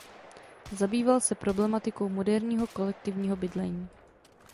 Zabýval se problematikou moderního kolektivního bydlení.